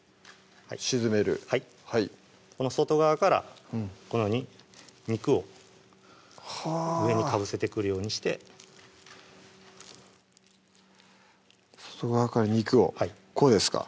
はい沈めるはいこの外側からこのように肉を上にかぶせてくるようにして外側から肉をこうですか？